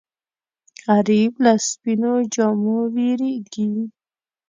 غریب له سپینو جامو وېرېږي